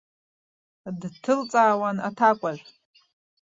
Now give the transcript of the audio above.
Дҭылҵаауан аҭакәажә.